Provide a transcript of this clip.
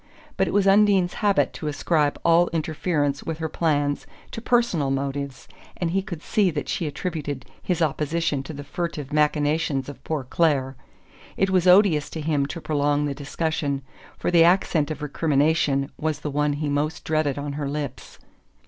But it was Undine's habit to ascribe all interference with her plans to personal motives, and he could see that she attributed his opposition to the furtive machinations of poor Clare. It was odious to him to prolong the discussion, for the accent of recrimination was the one he most dreaded on her lips.